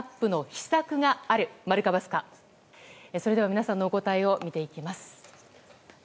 皆さんのお答えを見ていきます。